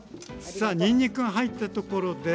さあにんにくが入ったところで？